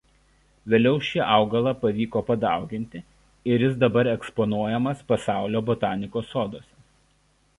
Vėliau šį augalą pavyko padauginti ir jis dabar eksponuojamas pasaulio botanikos soduose.